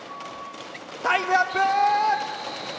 タイムアップ！